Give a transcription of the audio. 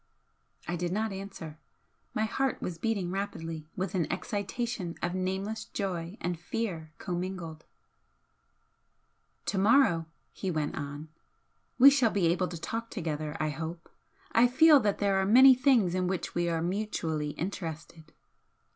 I did not answer. My heart was beating rapidly with an excitation of nameless joy and fear commingled. "To morrow" he went on "we shall be able to talk together, I hope, I feel that there are many things in which we are mutually interested."